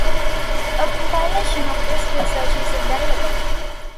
A compilation of this research is available.